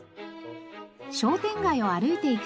商店街を歩いていくと。